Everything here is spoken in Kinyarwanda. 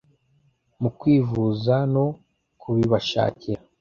mu kwivuza no kubibashakira